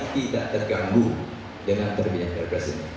tidak terganggu dengan terbunyi k satu ini